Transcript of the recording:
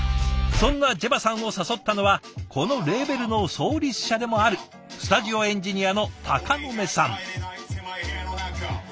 そんなＪＥＶＡさんを誘ったのはこのレーベルの創立者でもあるスタジオエンジニアの鷹の目さん。